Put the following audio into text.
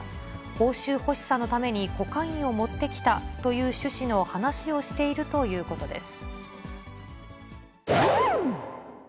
報酬欲しさのために、コカインを持ってきたという趣旨の話をしているということです。